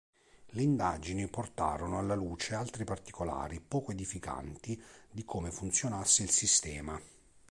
Le indagini portarono alla luce altri particolari poco edificanti di come funzionasse il sistema.